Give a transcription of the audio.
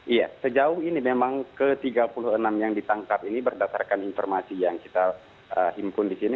iya sejauh ini memang ke tiga puluh enam yang ditangkap ini berdasarkan informasi yang kita himpun di sini